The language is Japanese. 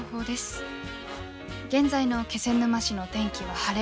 現在の気仙沼市の天気は晴れ。